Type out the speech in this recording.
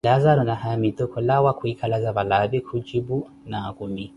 Laazaru na haamitu khulawa kwikalaza valaavi, khujipu: naakhumi.